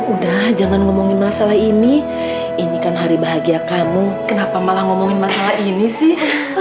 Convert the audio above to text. udah jangan ngomongin masalah ini ini kan hari bahagia kamu kenapa malah ngomongin masalah ini sih